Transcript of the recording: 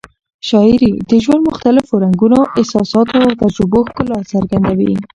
شاعري د ژوند مختلفو رنګونو، احساساتو او تجربو ښکلا څرګندوي.